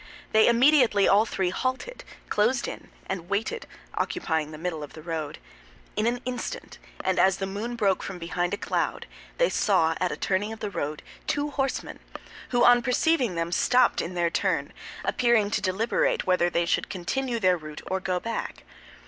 They immediately all three halted, closed in, and waited, occupying the middle of the road. In an instant, and as the moon broke from behind a cloud, they saw at a turning of the road two horsemen who, on perceiving them, stopped in their turn, appearing to deliberate whether they should continue their route or go back.